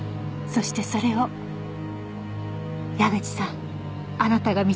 そしてそれを矢口さんあなたが見つけた。